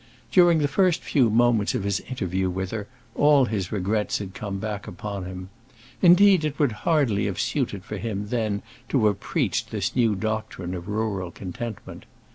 During the first few moments of his interview with her all his regrets had come back upon him. Indeed, it would have hardly suited for him then to have preached this new doctrine of rural contentment.